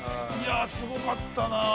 いや、すごかったな。